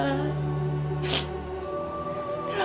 dia tidak berdosa